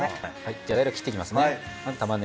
じゃあ材料切っていきますね。